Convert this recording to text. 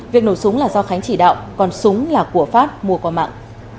việc nổ súng là do khánh chỉ đạo còn súng là của phát mua qua mạng